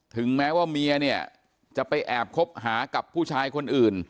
ถึงแม้ว่าเมียเนี่ยจะไปแอบคบหากับผู้ชายคนอื่น